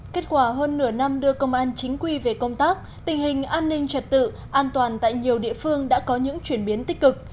kết quả hơn nửa năm đưa công an chính quy về công tác tình hình an ninh trật tự an toàn tại nhiều địa phương đã có những chuyển biến tích cực